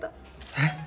えっ？